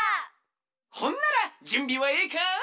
ほんならじゅんびはええか？